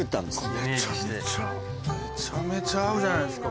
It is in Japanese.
めちゃめちゃ合うじゃないですか。